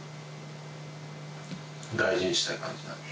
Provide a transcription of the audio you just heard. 大事にしたい感じなんだ。